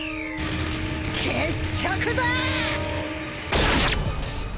決着だ！